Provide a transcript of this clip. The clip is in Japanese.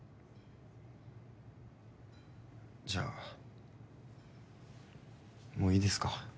じゃあもういいですか？